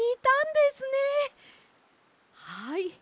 はい。